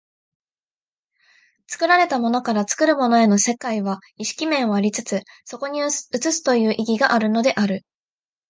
作られたものから作るものへの世界は意識面を有つ、そこに映すという意義があるのである。